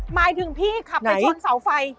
หมายถึงพี่ขับไปชนเสาไฟ